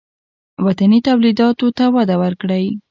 وطني تولیداتو ته وده ورکړئ